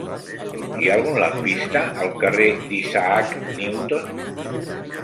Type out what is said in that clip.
Hi ha algun lampista al carrer d'Isaac Newton?